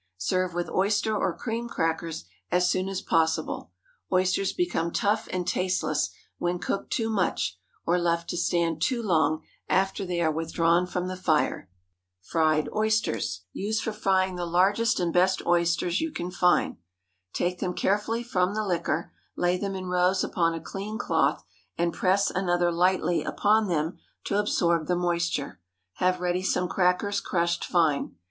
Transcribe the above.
Serve with oyster or cream crackers, as soon as possible. Oysters become tough and tasteless when cooked too much, or left to stand too long after they are withdrawn from the fire. FRIED OYSTERS. ✠ Use for frying the largest and best oysters you can find. Take them carefully from the liquor; lay them in rows upon a clean cloth, and press another lightly upon them to absorb the moisture. Have ready some crackers crushed fine.